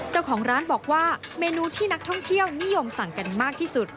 เจ้าของร้านบอกว่าเมนูที่นักท่องเที่ยวนิยมสั่งกันมากที่สุด